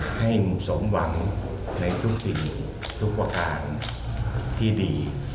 ให้สมหวังในทุกสิ่งทุกประการที่ดี